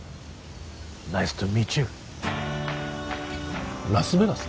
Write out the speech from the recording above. ナイストゥミーチュウラスベガス？